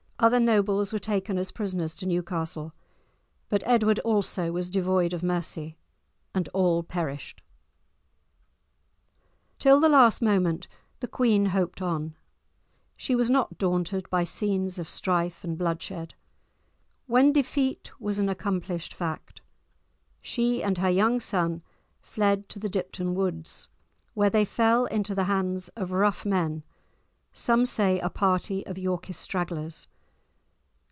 Other nobles were taken as prisoners to Newcastle, but Edward also was devoid of mercy, and all perished. [Illustration: The Final Battle in the Streets of Hexham] Till the last moment the queen hoped on. She was not daunted by scenes of strife and bloodshed. When defeat was an accomplished fact, she and her young son fled to the Dipton Woods, where they fell into the hands of rough men, some say a party of Yorkist stragglers.